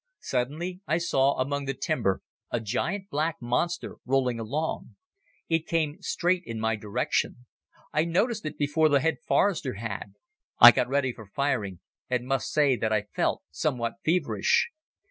Suddenly I saw among the timber a gigantic black monster, rolling along. It came straight in my direction. I noticed it before the head forester had. I got ready for firing and must say that I felt somewhat feverish.